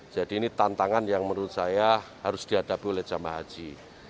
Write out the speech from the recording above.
jadi ini tantangan yang menurut saya harus dihadapi oleh jemaah haji